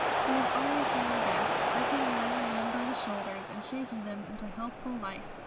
He was always doing this, gripping young men by the shoulders and shaking them into healthful life.